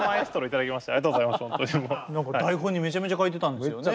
台本にめちゃめちゃ書いてたんですよね。